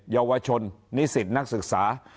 เยาวชนนิสิตนักศึกษา